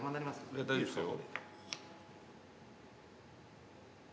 いや大丈夫ですよ。